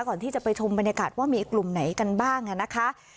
ก่อนที่จะไปชมบรรยากาศว่ามีกลุ่มไหนกันบ้างนะคะ